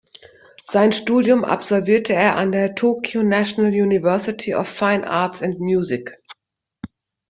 Sein Studium absolvierte er an der Tokyo National University of Fine Arts and Music.